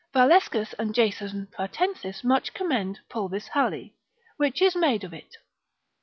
Valescus and Jason Pratensis much commend pulvis hali, which is made of it.